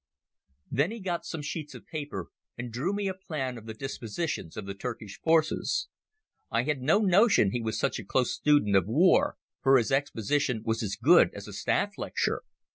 Then he got some sheets of paper and drew me a plan of the dispositions of the Turkish forces. I had no notion he was such a close student of war, for his exposition was as good as a staff lecture.